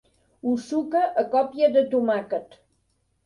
Ho suca a còpia de tomàquet.